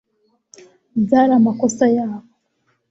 byari amakosa yabo